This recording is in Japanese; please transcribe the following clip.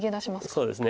そうですね